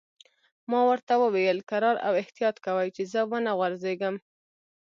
ما ورته وویل: کرار او احتیاط کوئ، چې زه و نه غورځېږم.